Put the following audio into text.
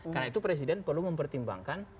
karena itu presiden perlu mempertimbangkan